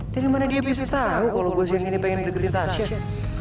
dari mana dia bisa tahu kalau gue pengen deketin tasya